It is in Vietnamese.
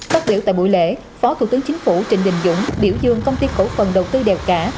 phát biểu tại buổi lễ phó thủ tướng chính phủ trịnh đình dũng biểu dương công ty cổ phần đầu tư đèo cả